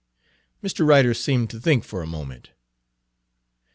Mr. Ryder seemed to think for a moment.